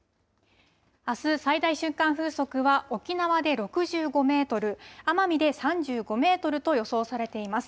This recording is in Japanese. あす、最大瞬間風速は沖縄で６５メートル、奄美で３５メートルと予想されています。